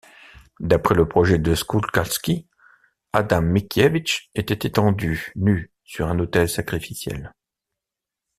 D'après le projet de Szukalski, Adam Mickiewicz était étendu, nu, sur un autel sacrificiel.